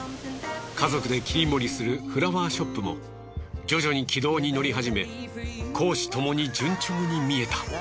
家族で切り盛りするフラワーショップも徐々に軌道に乗り始め公私ともに順調に見えた。